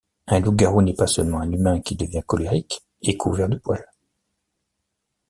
Un loup-garou n'est pas seulement un humain qui devient colérique et couvert de poils.